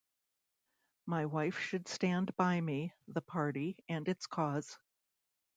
My wife should stand by me, the party and its cause.